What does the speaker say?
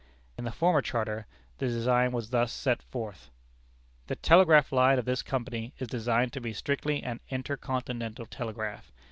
In the former charter, the design was thus set forth: "The telegraph line of this company is designed to be strictly an 'Inter Continental Telegraph.'